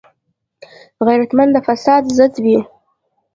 غیرتمند د فساد ضد وي